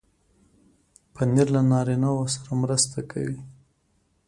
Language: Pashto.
پنېر له نارینو سره مرسته کوي.